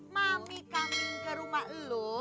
mami kami ke rumah lo